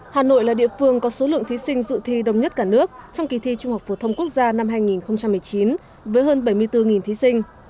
hà nội là địa phương có số lượng thí sinh dự thi đông nhất cả nước trong kỳ thi trung học phổ thông quốc gia năm hai nghìn một mươi chín với hơn bảy mươi bốn thí sinh